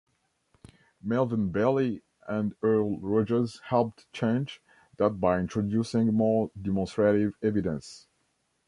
Melvin Belli and Earl Rogers helped change that by introducing more demonstrative evidence.